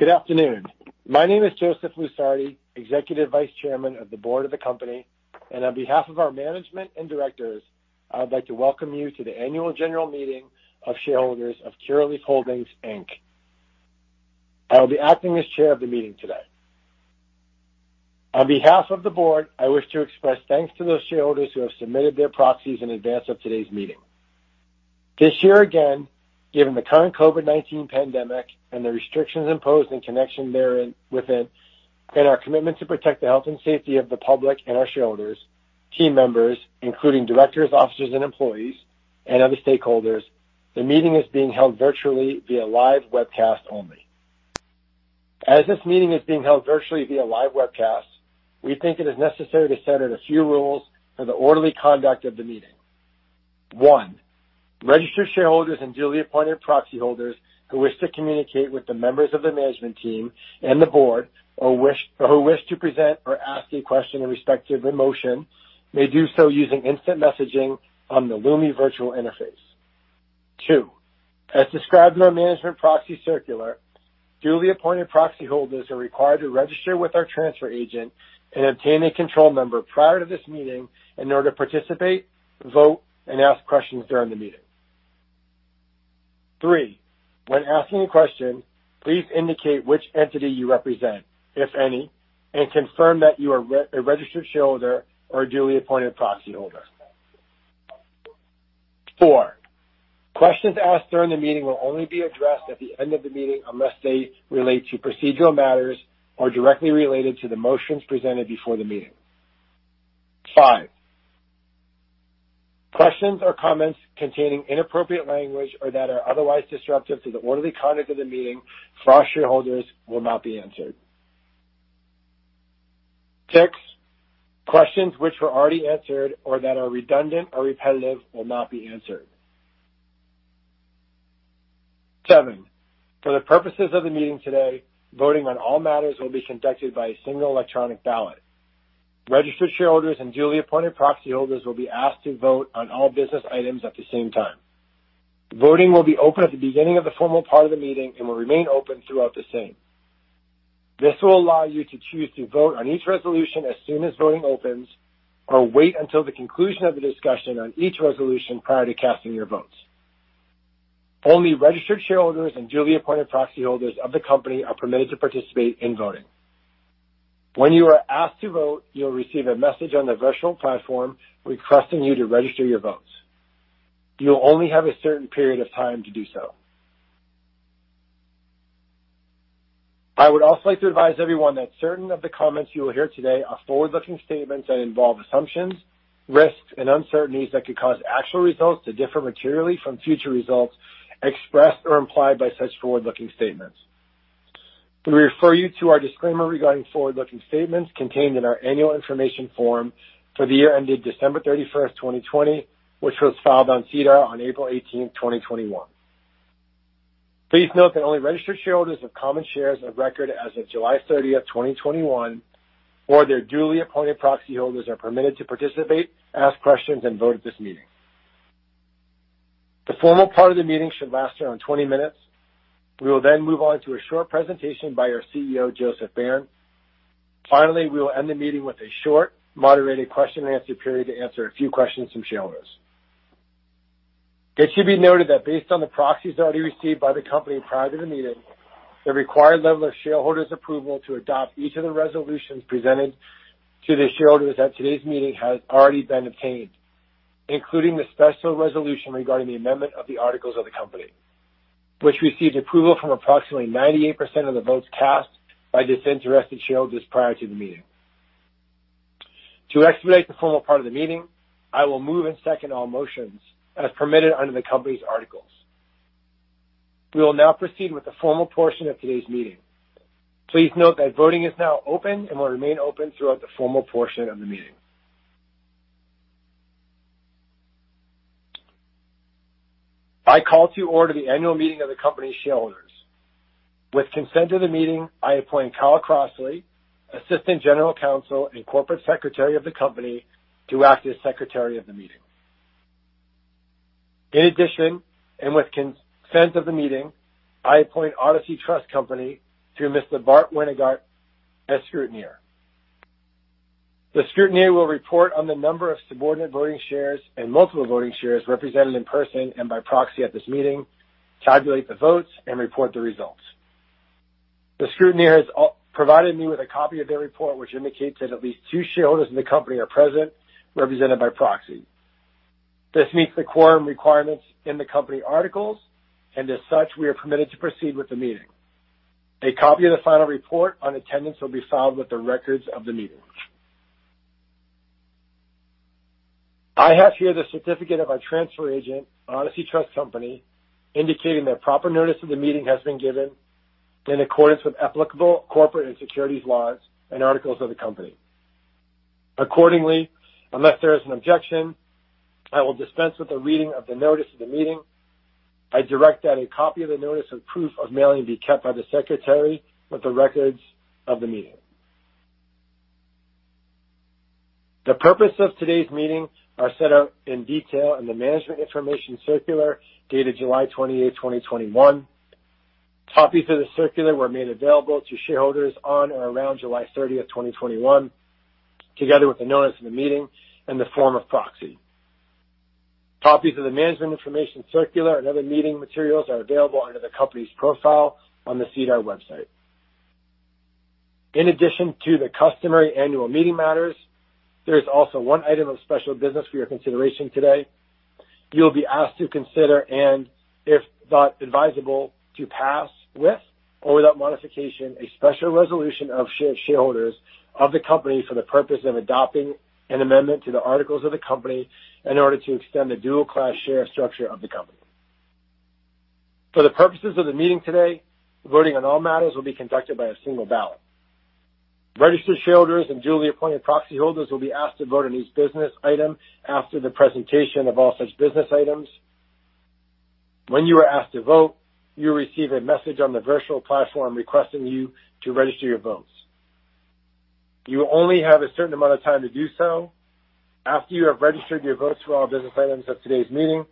Good afternoon. My name is Joseph Lusardi, Executive Vice Chairman of the Board of the company. On behalf of our management and directors, I would like to welcome you to the annual general meeting of shareholders of Curaleaf Holdings Inc. I will be acting as chair of the meeting today. On behalf of the board, I wish to express thanks to those shareholders who have submitted their proxies in advance of today's meeting. This year again, given the current COVID-19 pandemic and the restrictions imposed in connection therewith, our commitment to protect the health and safety of the public and our shareholders, team members, including directors, officers, and employees, and other stakeholders, the meeting is being held virtually via live webcast only. As this meeting is being held virtually via live webcast, we think it is necessary to set out a few rules for the orderly conduct of the meeting. One, registered shareholders and duly appointed proxy holders who wish to communicate with the members of the management team and the board, or who wish to present or ask a question in respect of the motion, may do so using instant messaging on the Lumi virtual interface. Two, as described in our management proxy circular, duly appointed proxy holders are required to register with our transfer agent and obtain a control number prior to this meeting in order to participate, vote, and ask questions during the meeting. Three, when asking a question, please indicate which entity you represent, if any, and confirm that you are a registered shareholder or a duly appointed proxy holder. Four, questions asked during the meeting will only be addressed at the end of the meeting unless they relate to procedural matters or are directly related to the motions presented before the meeting. Five, questions or comments containing inappropriate language or that are otherwise disruptive to the orderly conduct of the meeting from shareholders will not be answered. Six, questions which were already answered or that are redundant or repetitive will not be answered. Seven, for the purposes of the meeting today, voting on all matters will be conducted by a single electronic ballot. Registered shareholders and duly appointed proxy holders will be asked to vote on all business items at the same time. Voting will be open at the beginning of the formal part of the meeting and will remain open throughout the same. This will allow you to choose to vote on each resolution as soon as voting opens, or wait until the conclusion of the discussion on each resolution prior to casting your votes. Only registered shareholders and duly appointed proxy holders of the company are permitted to participate in voting. When you are asked to vote, you'll receive a message on the virtual platform requesting you to register your votes. You'll only have a certain period of time to do so. I would also like to advise everyone that certain of the comments you will hear today are forward-looking statements that involve assumptions, risks, and uncertainties that could cause actual results to differ materially from future results expressed or implied by such forward-looking statements. We refer you to our disclaimer regarding forward-looking statements contained in our annual information form for the year ended December 31st, 2020, which was filed on SEDAR on April 18th, 2021. Please note that only registered shareholders of common shares of record as of July 30th, 2021, or their duly appointed proxy holders are permitted to participate, ask questions, and vote at this meeting. The formal part of the meeting should last around 20 minutes. We will move on to a short presentation by our CEO, Joseph Bayern. Finally, we will end the meeting with a short, moderated question and answer period to answer a few questions from shareholders. It should be noted that based on the proxies already received by the company prior to the meeting, the required level of shareholders' approval to adopt each of the resolutions presented to the shareholders at today's meeting has already been obtained, including the special resolution regarding the amendment of the articles of the company, which received approval from approximately 98% of the votes cast by disinterested shareholders prior to the meeting. To expedite the formal part of the meeting, I will move and second all motions as permitted under the company's articles. We will now proceed with the formal portion of today's meeting. Please note that voting is now open and will remain open throughout the formal portion of the meeting. I call to order the annual meeting of the company's shareholders. With consent of the meeting, I appoint Kyle Crossley, Assistant General Counsel and Corporate Secretary of the company, to act as Secretary of the meeting. In addition, and with consent of the meeting, I appoint Odyssey Trust Company through Mr. Bart Wijnants as Scrutineer. The Scrutineer will report on the number of subordinate voting shares and multiple voting shares represented in person and by proxy at this meeting, calculate the votes, and report the results. The Scrutineer has provided me with a copy of their report, which indicates that at least two shareholders in the company are present, represented by proxy. This meets the quorum requirements in the company articles, and as such, we are permitted to proceed with the meeting. A copy of the final report on attendance will be filed with the records of the meeting. I have here the certificate of our transfer agent, Odyssey Trust Company, indicating that proper notice of the meeting has been given in accordance with applicable corporate and securities laws and articles of the company. Accordingly, unless there is an objection, I will dispense with the reading of the notice of the meeting. I direct that a copy of the notice and proof of mailing be kept by the secretary with the records of the meeting. The purpose of today's meeting are set out in detail in the management information circular, dated July 28, 2021. Copies of the circular were made available to shareholders on or around July 30, 2021, together with the notice of the meeting and the form of proxy. Copies of the management information circular and other meeting materials are available under the company's profile on the SEDAR website. In addition to the customary annual meeting matters, there is also one item of special business for your consideration today. You'll be asked to consider, and if thought advisable, to pass with or without modification, a special resolution of shareholders of the company for the purpose of adopting an amendment to the articles of the company in order to extend the dual-class share structure of the company. For the purposes of the meeting today, voting on all matters will be conducted by a one ballot. Registered shareholders and duly appointed proxy holders will be asked to vote on each business item after the presentation of all such business items. When you are asked to vote, you'll receive a message on the virtual platform requesting you to register your votes. You only have a certain amount of time to do so. After you have registered your votes for all business items of today's meeting,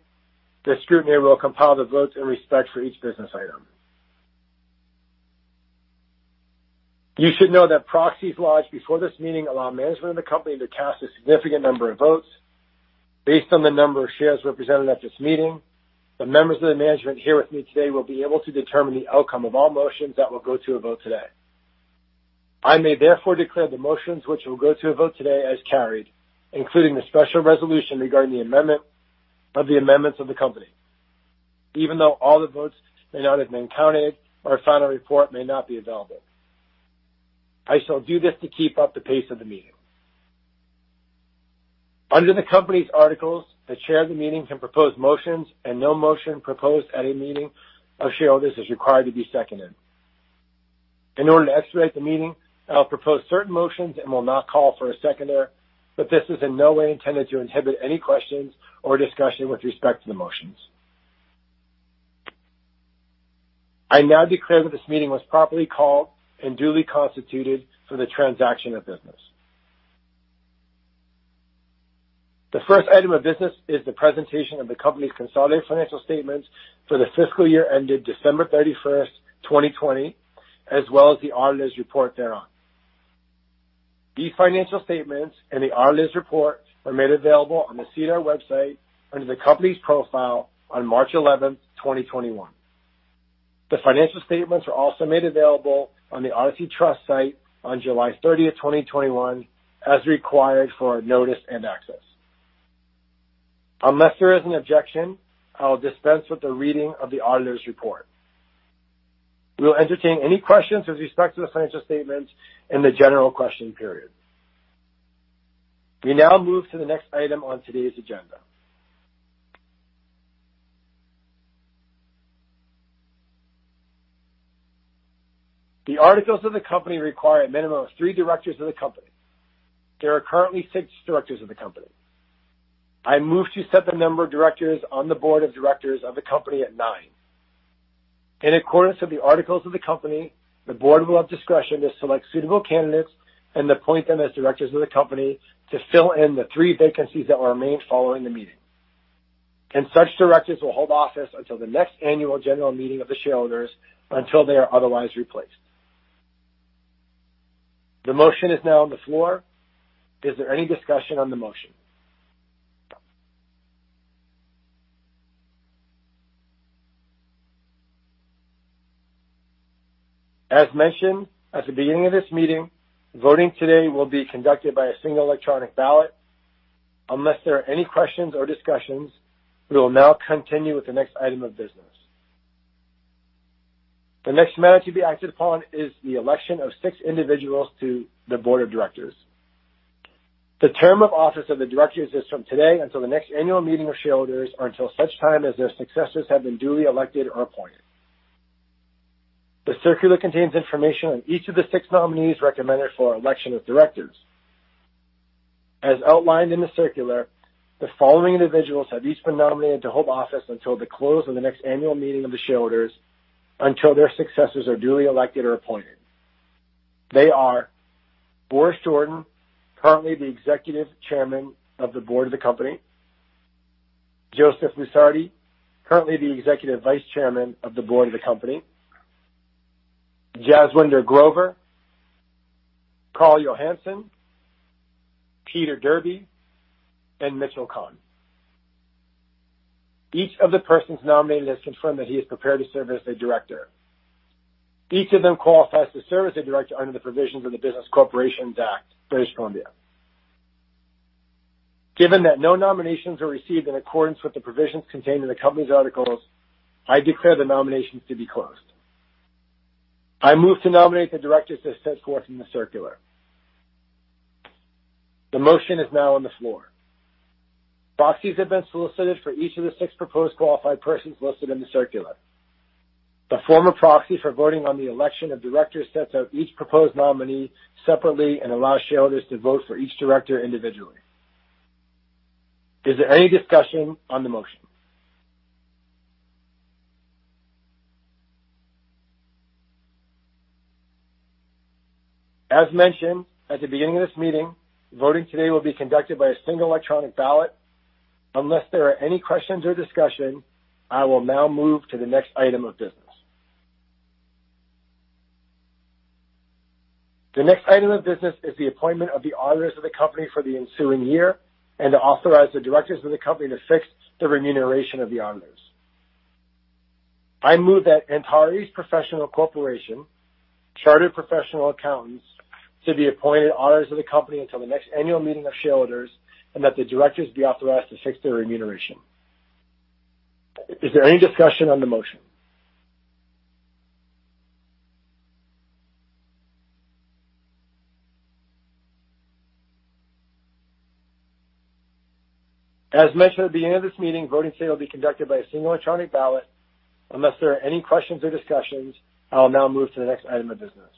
the Scrutineer will compile the votes in respect for each business item. You should know that proxies lodged before this meeting allow management of the company to cast a significant number of votes. Based on the number of shares represented at this meeting, the members of the management here with me today will be able to determine the outcome of all motions that will go to a vote today. I may therefore declare the motions which will go to a vote today as carried, including the special resolution regarding the amendments of the company even though all the votes may not have been counted or a final report may not be available. I shall do this to keep up the pace of the meeting. Under the company's articles, the chair of the meeting can propose motions, and no motion proposed at a meeting of shareholders is required to be seconded. In order to expedite the meeting, I'll propose certain motions and will not call for a seconder, but this is in no way intended to inhibit any questions or discussion with respect to the motions. I now declare that this meeting was properly called and duly constituted for the transaction of business. The first item of business is the presentation of the company's consolidated financial statements for the fiscal year ended December 31st, 2020, as well as the auditor's report thereon. These financial statements and the auditor's report were made available on the SEDAR website under the company's profile on March 11th, 2021. The financial statements were also made available on the Odyssey Trust site on July 30th, 2021, as required for notice and access. Unless there is an objection, I will dispense with the reading of the auditor's report. We will entertain any questions with respect to the financial statements in the general question period. We now move to the next item on today's agenda. The articles of the company require a minimum of three directors of the company. There are currently six directors of the company. I move to set the number of directors on the board of directors of the company at nine. In accordance with the articles of the company, the board will have discretion to select suitable candidates and appoint them as directors of the company to fill in the three vacancies that will remain following the meeting. Such directors will hold office until the next annual general meeting of the shareholders or until they are otherwise replaced. The motion is now on the floor. Is there any discussion on the motion? As mentioned at the beginning of this meeting, voting today will be conducted by a single electronic ballot. Unless there are any questions or discussions, we will now continue with the next item of business. The next matter to be acted upon is the election of six individuals to the board of directors. The term of office of the directors is from today until the next annual meeting of shareholders or until such time as their successors have been duly elected or appointed. The circular contains information on each of the six nominees recommended for election as directors. As outlined in the circular, the following individuals have each been nominated to hold office until the close of the next annual meeting of the shareholders, until their successors are duly elected or appointed. They are Boris Jordan, currently the Executive Chairman of the Board of the company, Joseph Lusardi, currently the Executive Vice Chairman of the Board of the company, Jaswinder Grover, Karl Johansson, Peter Derby, and Mitchell Kahn. Each of the persons nominated has confirmed that he is prepared to serve as a director. Each of them qualifies to serve as a director under the provisions of the Business Corporations Act (British Columbia). Given that no nominations are received in accordance with the provisions contained in the company's articles, I declare the nominations to be closed. I move to nominate the directors as set forth in the circular. The motion is now on the floor. Proxies have been solicited for each of the six proposed qualified persons listed in the circular. The form of proxy for voting on the election of directors sets out each proposed nominee separately and allows shareholders to vote for each director individually. Is there any discussion on the motion? As mentioned at the beginning of this meeting, voting today will be conducted by a single electronic ballot. Unless there are any questions or discussion, I will now move to the next item of business. The next item of business is the appointment of the auditors of the company for the ensuing year and to authorize the directors of the company to fix the remuneration of the auditors. I move that Antares Professional Corporation, chartered professional accountants, to be appointed auditors of the company until the next annual meeting of shareholders, and that the directors be authorized to fix their remuneration. Is there any discussion on the motion? As mentioned at the beginning of this meeting, voting today will be conducted by a single electronic ballot. Unless there are any questions or discussions, I will now move to the next item of business.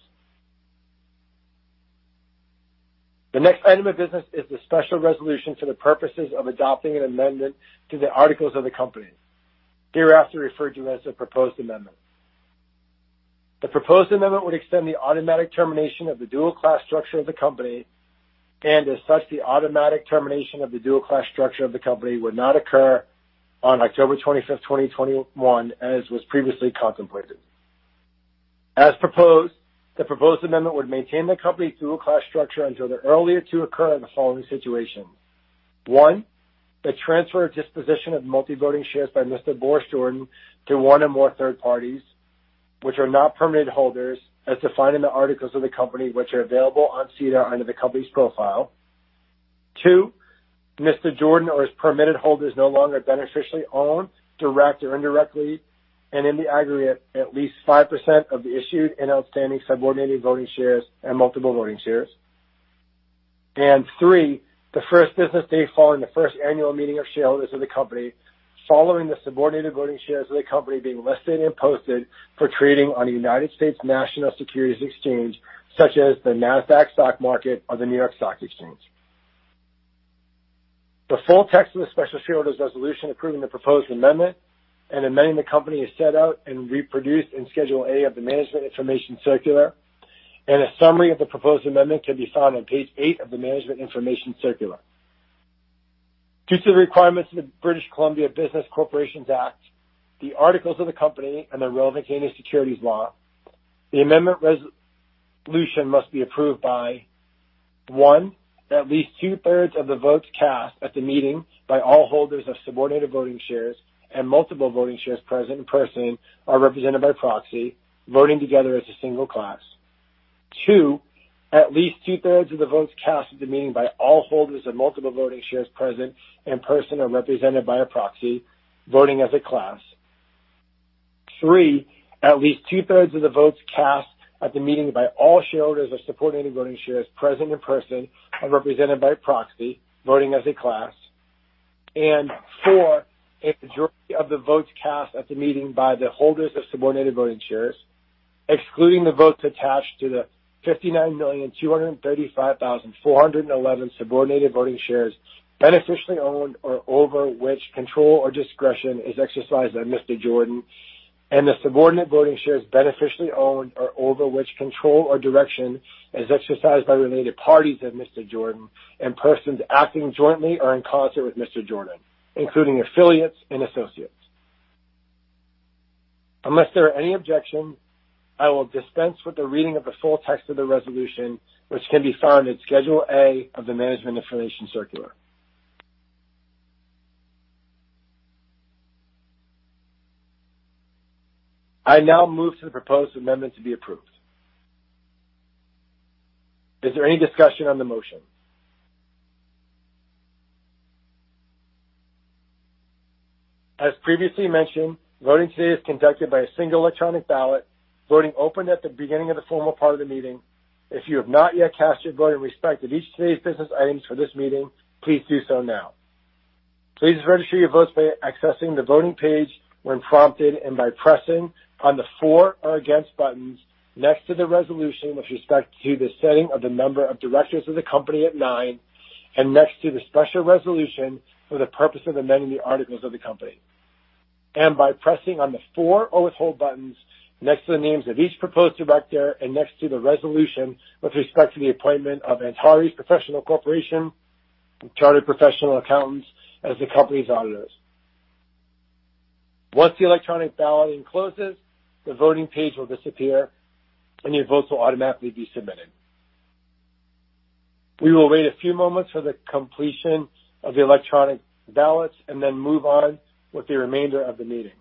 The next item of business is the special resolution to the purposes of adopting an amendment to the articles of the company, hereafter referred to as the proposed amendment. The proposed amendment would extend the automatic termination of the dual-class structure of the company, and as such, the automatic termination of the dual-class structure of the company would not occur on October 25th, 2021, as was previously contemplated. As proposed, the proposed amendment would maintain the company's dual-class structure until the earlier to occur of the following situations. One. The transfer or disposition of multi-voting shares by Mr. Boris Jordan to one or more third parties, which are not permitted holders as defined in the articles of the company, which are available on SEDAR under the company's profile. Two. Mr. Jordan or as permitted holders no longer beneficially own, direct or indirectly, and in the aggregate, at least 5% of the issued and outstanding subordinated voting shares and multiple voting shares. Three, the first business day following the first annual meeting of shareholders of the company, following the subordinated voting shares of the company being listed and posted for trading on a United States national securities exchange, such as the Nasdaq Stock Market or the New York Stock Exchange. The full text of the special shareholders' resolution approving the proposed amendment and amending the company is set out and reproduced in Schedule A of the management information circular. A summary of the proposed amendment can be found on page eight of the management information circular. Due to the requirements of the British Columbia Business Corporations Act, the articles of the company, and the relevant Canadian securities law, the amendment resolution must be approved by, 1. At least two-thirds of the votes cast at the meeting by all holders of subordinated voting shares and multiple voting shares present in person or represented by proxy, voting together as a single class. 2. At least two-thirds of the votes cast at the meeting by all holders of multiple voting shares present in person or represented by a proxy, voting as a class. 3. At least two-thirds of the votes cast at the meeting by all shareholders of subordinated voting shares present in person or represented by a proxy, voting as a class. Four, a majority of the votes cast at the meeting by the holders of subordinated voting shares, excluding the votes attached to the 59,235,411 subordinated voting shares beneficially owned or over which control or discretion is exercised by Mr. Jordan and the subordinate voting shares beneficially owned or over which control or direction is exercised by related parties of Mr. Jordan and persons acting jointly or in concert with Mr. Jordan, including affiliates and associates. Unless there are any objections, I will dispense with the reading of the full text of the resolution, which can be found in Schedule A of the management information circular. I now move to the proposed amendment to be approved. Is there any discussion on the motion? As previously mentioned, voting today is conducted by a single electronic ballot. Voting opened at the beginning of the formal part of the meeting. If you have not yet cast your vote in respect of each of today's business items for this meeting, please do so now. Please register your votes by accessing the voting page when prompted and by pressing on the For or Against buttons next to the resolution with respect to the setting of the number of directors of the company at nine, and next to the special resolution for the purpose of amending the articles of the company. By pressing on the For or Withhold buttons next to the names of each proposed director and next to the resolution with respect to the appointment of Antares Professional Corporation, chartered professional accountants, as the company's auditors. Once the electronic balloting closes, the voting page will disappear, and your votes will automatically be submitted. We will wait a few moments for the completion of the electronic ballots and then move on with the remainder of the meeting.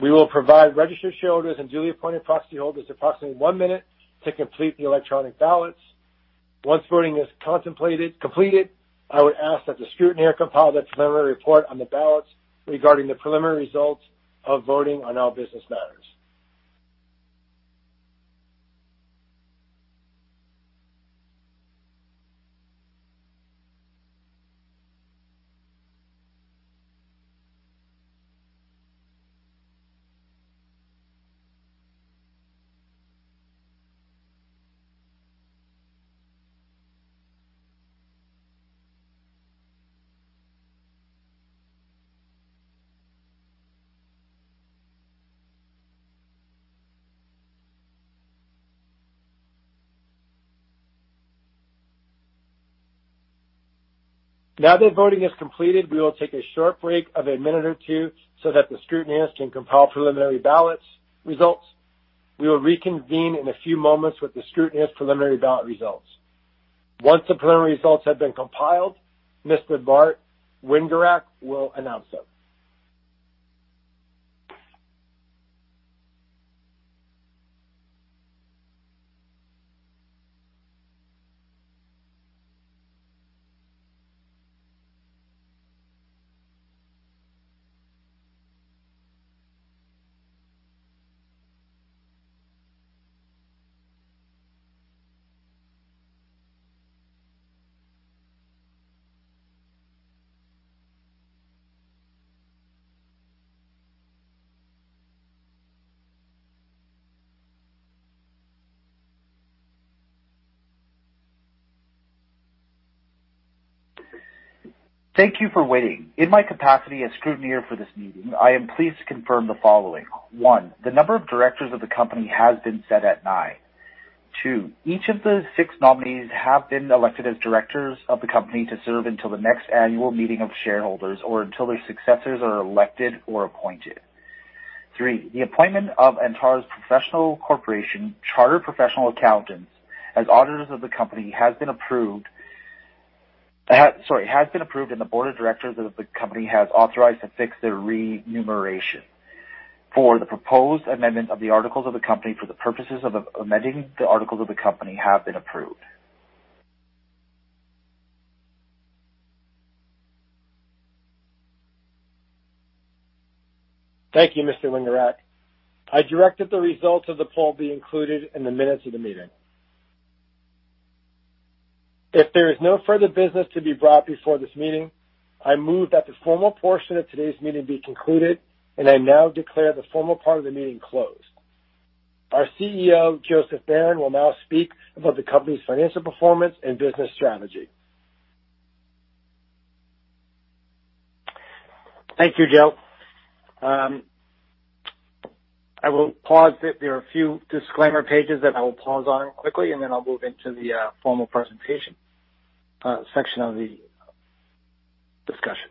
We will provide registered shareholders and duly appointed proxy holders approximately one minute to complete the electronic ballots. Once voting is completed, I would ask that the scrutineer compile the preliminary report on the ballots regarding the preliminary results of voting on all business matters. Now that voting is completed, we will take a short break of a minute or two so that the scrutineers can compile preliminary ballot results. We will reconvene in a few moments with the scrutineers' preliminary ballot results. Once the preliminary results have been compiled, Mr. Bart Wijnants will announce them. Thank you for waiting. In my capacity as scrutineer for this meeting, I am pleased to confirm the following. One, the number of directors of the company has been set at Nine. Two, each of the six nominees have been elected as directors of the company to serve until the next annual meeting of shareholders, or until their successors are elected or appointed. Three, the appointment of Antares Professional Corporation, chartered professional accountants, as auditors of the company has been approved, and the board of directors of the company has authorized to fix their remuneration. Four, the proposed amendment of the articles of the company for the purposes of amending the articles of the company have been approved. Thank you, Mr. Wijnants. I direct that the results of the poll be included in the minutes of the meeting. If there is no further business to be brought before this meeting, I move that the formal portion of today's meeting be concluded, and I now declare the formal part of the meeting closed. Our CEO, Joseph Bayern, will now speak about the company's financial performance and business strategy. Thank you, Joe. There are a few disclaimer pages that I will pause on quickly, then I'll move into the formal presentation section of the discussion.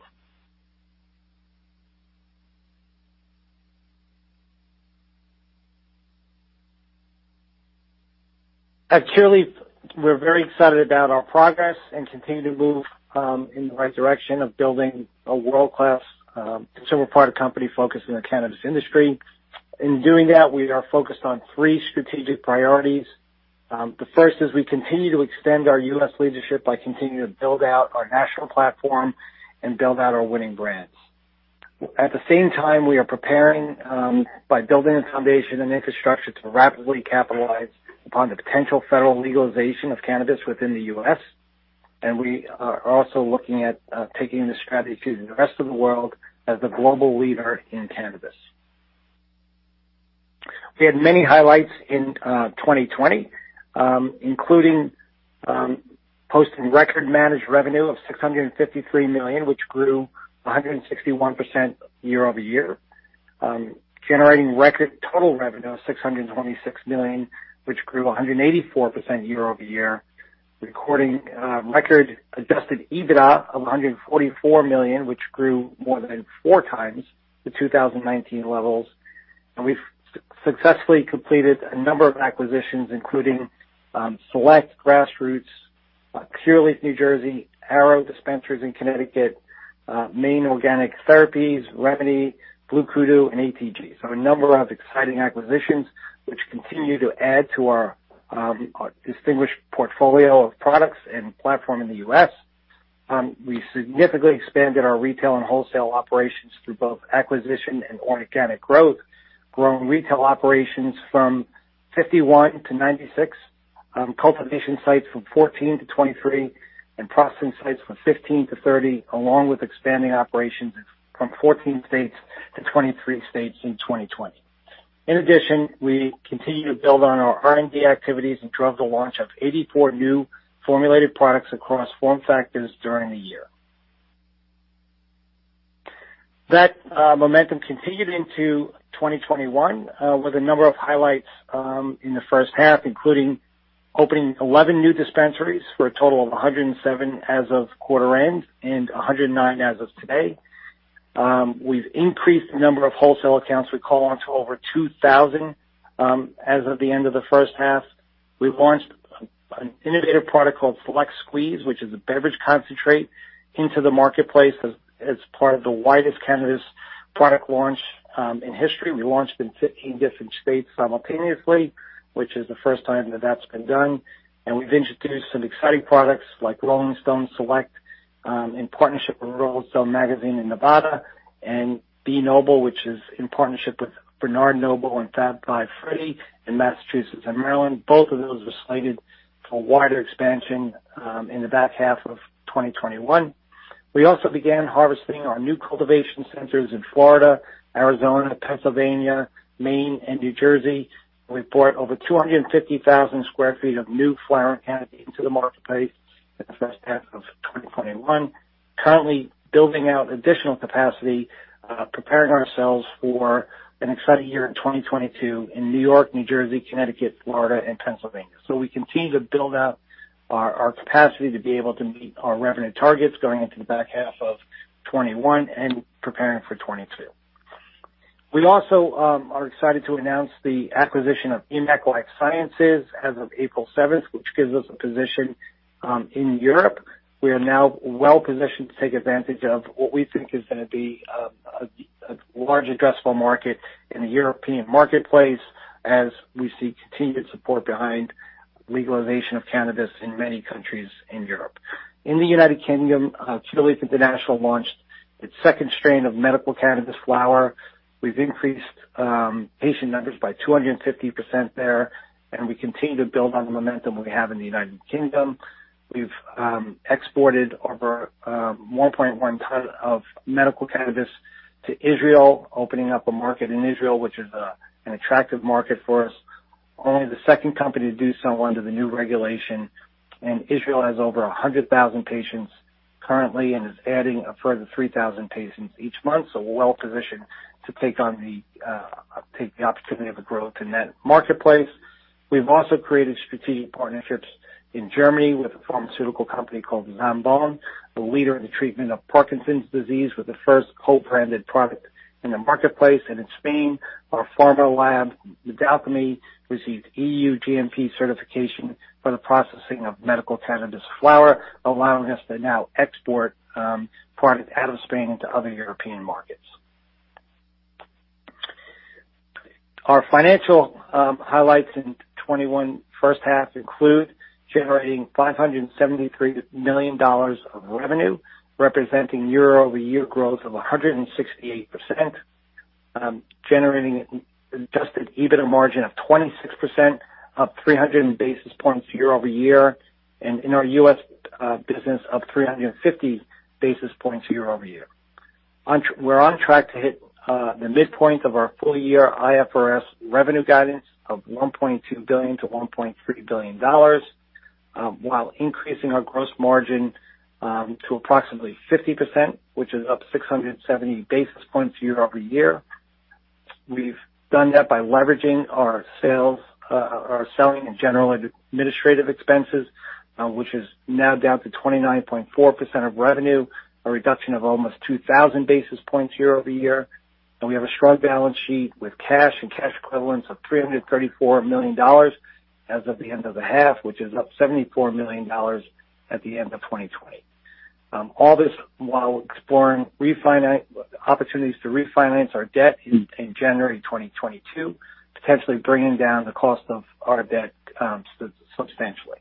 At Curaleaf, we're very excited about our progress and continue to move in the right direction of building a world-class consumer product company focused in the cannabis industry. In doing that, we are focused on three strategic priorities. The first is we continue to extend our U.S. leadership by continuing to build out our national platform and build out our winning brands. At the same time, we are preparing by building a foundation and infrastructure to rapidly capitalize upon the potential federal legalization of cannabis within the U.S., and we are also looking at taking this strategy to the rest of the world as a global leader in cannabis. We had many highlights in 2020, including posting record managed revenue of $653 million, which grew 161% year-over-year. Generating record total revenue of $626 million, which grew 184% year-over-year. Recording a record adjusted EBITDA of $144 million, which grew more than 4x the 2019 levels. We've successfully completed a number of acquisitions, including Select, Grassroots, Curaleaf New Jersey, Arrow Alternative Care in Connecticut, Maine Organic Therapy, Natural Remedy Patient Center, Blue Kudu, and ATG. A number of exciting acquisitions, which continue to add to our distinguished portfolio of products and platform in the U.S. We significantly expanded our retail and wholesale operations through both acquisition and organic growth, growing retail operations from 51 to 96, cultivation sites from 14 to 23, and processing sites from 15 to 30, along with expanding operations from 14 states to 23 states in 2020. In addition, we continue to build on our R&D activities and drove the launch of 84 new formulated products across form factors during the year. That momentum continued into 2021, with a number of highlights in the first half, including opening 11 new dispensaries for a total of 107 as of quarter end and 109 as of today. We've increased the number of wholesale accounts we call on to over 2,000 as of the end of the first half. We've launched an innovative product called Select Squeeze, which is a beverage concentrate, into the marketplace as part of the widest cannabis product launch in history. We launched in 15 different states simultaneously, which is the first time that that's been done, and we've introduced some exciting products like Rolling Stone Select in partnership with Rolling Stone Magazine in Nevada, and B NOBLE, which is in partnership with Bernard Noble and Fab 5 Freddy in Massachusetts and Maryland. Both of those are slated for wider expansion in the back half of 2021. We also began harvesting our new cultivation centers in Florida, Arizona, Pennsylvania, Maine, and New Jersey. We brought over 250,000 sq ft of new flowering canopy into the marketplace. In the first half of 2021, currently building out additional capacity, preparing ourselves for an exciting year in 2022 in New York, New Jersey, Connecticut, Florida, and Pennsylvania. We continue to build out our capacity to be able to meet our revenue targets going into the back half of 2021 and preparing for 2022. We also are excited to announce the acquisition of EMMAC Life Sciences as of April 7th, which gives us a position in Europe. We are now well-positioned to take advantage of what we think is going to be a large addressable market in the European marketplace, as we see continued support behind legalization of cannabis in many countries in Europe. In the United Kingdom, Curaleaf International launched its second strain of medical cannabis flower. We've increased patient numbers by 250% there, and we continue to build on the momentum we have in the United Kingdom. We've exported over 1.1 tons of medical cannabis to Israel, opening up a market in Israel, which is an attractive market for us, only the second company to do so under the new regulation. Israel has over 100,000 patients currently and is adding a further 3,000 patients each month. We're well-positioned to take the opportunity of the growth in that marketplace. We've also created strategic partnerships in Germany with a pharmaceutical company called Zambon, the leader in the treatment of Parkinson's disease, with the first co-branded product in the marketplace. In Spain, our pharma lab, Medalchemy, received EU GMP certification for the processing of medical cannabis flower, allowing us to now export product out of Spain into other European markets. Our financial highlights in 2021 first half include generating $573 million of revenue, representing year-over-year growth of 168%, generating adjusted EBITDA margin of 26%, up 300 basis points year-over-year, and in our U.S. business, up 350 basis points year-over-year. We're on track to hit the midpoint of our full-year IFRS revenue guidance of $1.2 billion-$1.3 billion, while increasing our gross margin to approximately 50%, which is up 670 basis points year-over-year. We've done that by leveraging our selling and general administrative expenses, which is now down to 29.4% of revenue, a reduction of almost 2,000 basis points year-over-year. We have a strong balance sheet with cash and cash equivalents of $334 million as of the end of the half, which is up $74 million at the end of 2020. All this while exploring opportunities to refinance our debt in January 2022, potentially bringing down the cost of our debt substantially.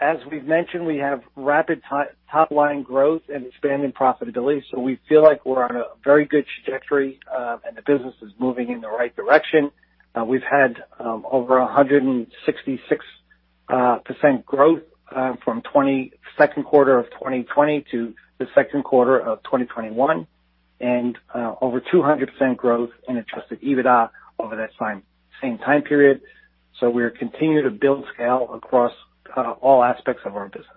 As we've mentioned, we have rapid top-line growth and expanding profitability. We feel like we're on a very good trajectory, and the business is moving in the right direction. We've had over 166% growth from second quarter of 2020 to the second quarter of 2021, and over 200% growth in adjusted EBITDA over that same time period. We continue to build scale across all aspects of our business.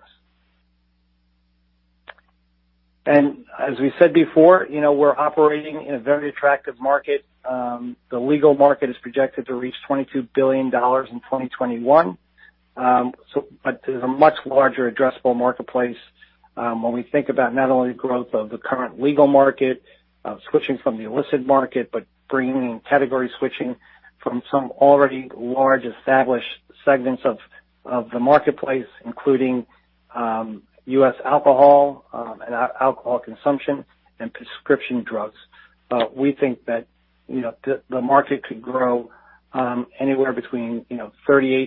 As we said before, we're operating in a very attractive market. The legal market is projected to reach $22 billion in 2021. There's a much larger addressable marketplace, when we think about not only growth of the current legal market, switching from the illicit market, but bringing in category switching from some already large established segments of the marketplace, including U.S. alcohol and alcohol consumption and prescription drugs. We think that the market could grow anywhere between $38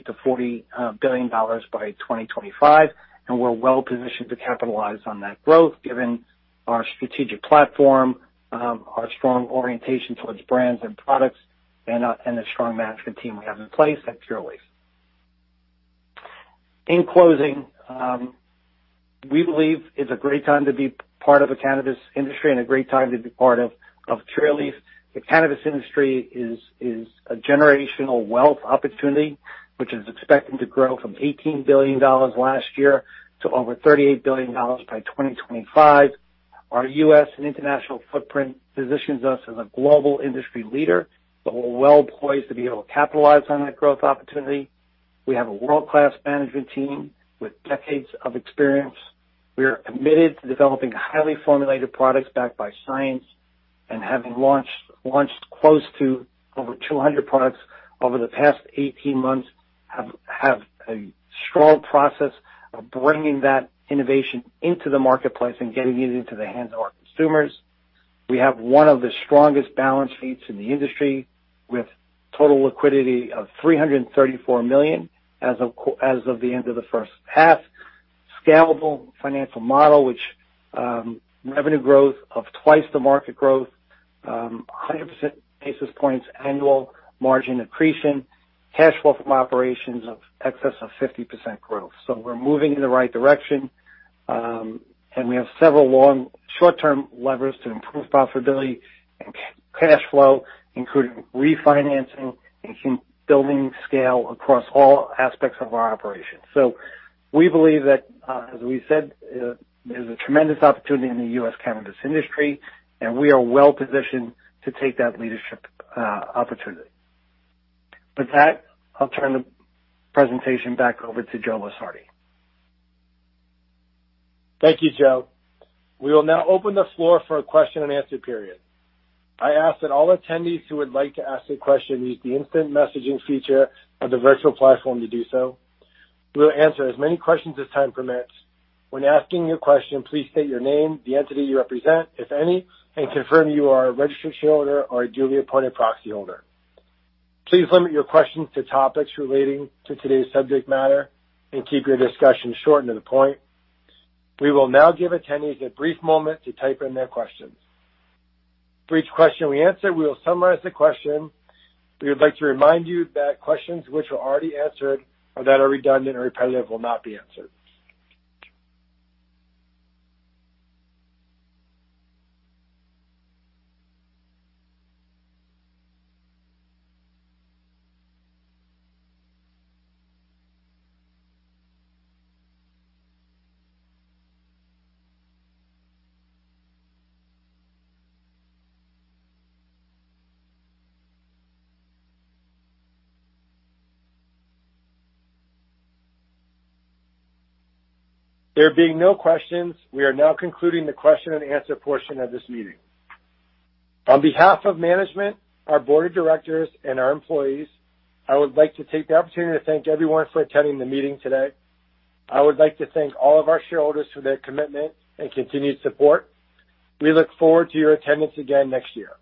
billion-$40 billion by 2025. We're well-positioned to capitalize on that growth given our strategic platform, our strong orientation towards brands and products, and the strong management team we have in place at Curaleaf. In closing, we believe it's a great time to be part of the cannabis industry and a great time to be part of Curaleaf. The cannabis industry is a generational wealth opportunity, which is expected to grow from $18 billion last year to over $38 billion by 2025. Our U.S. and international footprint positions us as a global industry leader, so we're well poised to be able to capitalize on that growth opportunity. We have a world-class management team with decades of experience. We are committed to developing highly formulated products backed by science and having launched close to over 200 products over the past 18 months, have a strong process of bringing that innovation into the marketplace and getting it into the hands of our consumers. We have one of the strongest balance sheets in the industry, with total liquidity of $334 million as of the end of the first half. Scalable financial model, which revenue growth of twice the market growth, 100% basis points annual margin accretion, cash flow from operations of excess of 50% growth. We're moving in the right direction, and we have several short-term levers to improve profitability, cash flow, including refinancing and building scale across all aspects of our operations. We believe that, as we said, there's a tremendous opportunity in the U.S. cannabis industry, and we are well-positioned to take that leadership opportunity. With that, I'll turn the presentation back over to Joseph Lusardi. Thank you, Joe. We will now open the floor for a question and answer period. I ask that all attendees who would like to ask a question use the instant messaging feature of the virtual platform to do so. We will answer as many questions as time permits. When asking your question, please state your name, the entity you represent, if any, and confirm you are a registered shareholder or a duly appointed proxy holder. Please limit your questions to topics relating to today's subject matter and keep your discussion short and to the point. We will now give attendees a brief moment to type in their questions. For each question we answer, we will summarize the question. We would like to remind you that questions which were already answered or that are redundant or repetitive will not be answered. There being no questions, we are now concluding the question and answer portion of this meeting. On behalf of management, our board of directors, and our employees, I would like to take the opportunity to thank everyone for attending the meeting today. I would like to thank all of our shareholders for their commitment and continued support. We look forward to your attendance again next year.